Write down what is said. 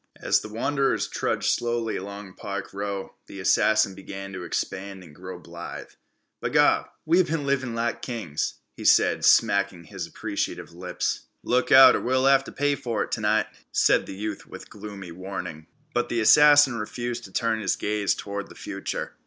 As the wanderers trudged slowly along Park Row, the assassin began to expand and grow blithe. "B'Gawd, we've been livin' like kings," he said, smacking appreciative lips. "Look out, or we'll have t' pay fer it t'night," said the youth with gloomy warning. But the assassin refused to turn his gaze toward the future.